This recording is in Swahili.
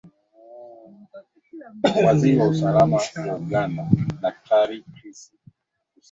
eza nishati mwilini na hilo huchangia mtu kuwa na uzito